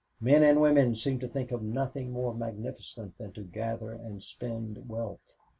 Men and women seemed to think of nothing more magnificent than to gather and spend wealth.